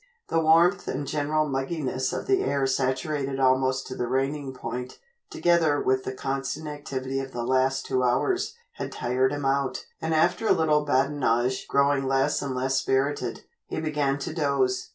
The warmth and general mugginess of the air saturated almost to the raining point, together with the constant activity of the last two hours, had tired him out, and after a little badinage growing less and less spirited, he began to doze.